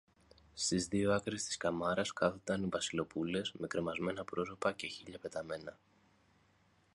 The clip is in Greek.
στις δυο άκρες της κάμαρας, κάθονταν οι Βασιλοπούλες με κρεμασμένα πρόσωπα και χείλια πεταμένα